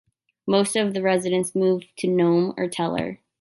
Most of the residents moved to Nome or Teller.